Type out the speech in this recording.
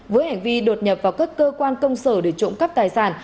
với hành vi đột nhập vào các cơ quan công sở để trộm cắp tài sản